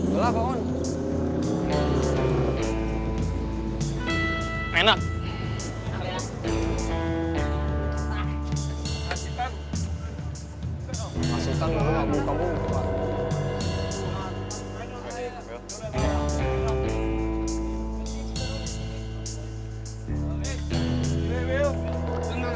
jangan jangan ada udang dibalik batu juga nih anak